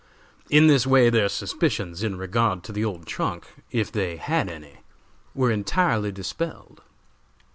In this way their suspicions in regard to the old trunk, if they had any, were entirely dispelled.